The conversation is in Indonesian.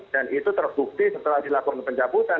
dan itu terbukti setelah dilakukan pencabutan